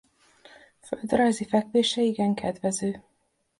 Földrajzi fekvése igen kedvező.